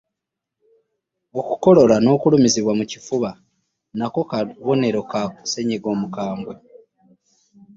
okukolola n'olumizibwa mu kifuba nako kabonero ka ssenyiga omukambwe.